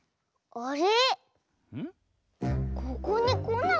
あれ？